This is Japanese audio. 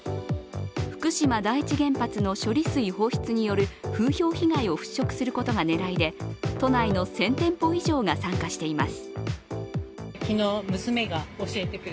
福島第一原発の処理水放出による風評被害をふっしょくすることが狙いで都内の１０００店舗以上が参加しています。